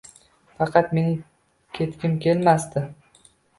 Faqat mening ketgim kelmasdi